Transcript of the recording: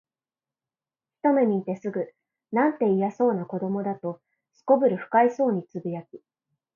ひとめ見てすぐ、「なんて、いやな子供だ」と頗る不快そうに呟き、